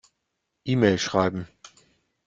E-Mail schreiben.